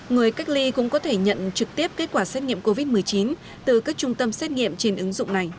người cách ly cũng có thể nhận trực tiếp kết quả xét nghiệm covid một mươi chín từ các trung tâm xét nghiệm trên ứng dụng này